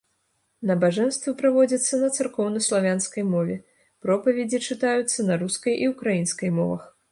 Набажэнствы праводзяцца на царкоўнаславянскай мове, пропаведзі чытаюцца на рускай і ўкраінскай мовах.